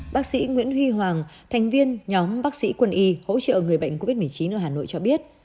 bác sĩ nguyễn huy hoàng thành viên nhóm bác sĩ quân y hỗ trợ người bệnh covid một mươi chín ở hà nội cho biết